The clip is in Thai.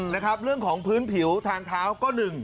นะครับเรื่องของพื้นผิวทางเท้าก็หนึ่ง